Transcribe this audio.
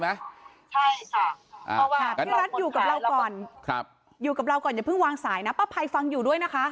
ใช่ค่ะพี่รัฐอยู่กับเราก่อนครับอยู่กับเราก่อนอย่าเพิ่งวางสายนะป้าภัยฟังอยู่ด้วยนะคะ